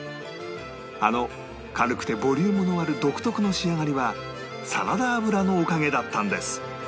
あの軽くてボリュームのある独特の仕上がりはサラダ油のおかげだったんです